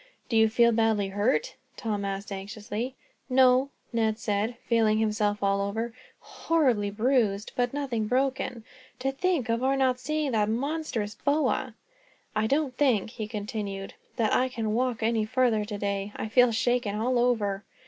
"Do you feel badly hurt?" Tom asked, anxiously. "No," Ned said, feeling himself all over. "Horribly bruised, but nothing broken. To think of our not seeing that monstrous boa! "I don't think," he continued, "that I can walk any farther today. I feel shaken all over."